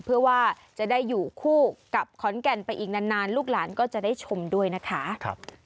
เพื่อว่าจะได้อยู่คู่กับขอนแก่นไปอีกนานลูกหลานก็จะได้ชมด้วยนะคะ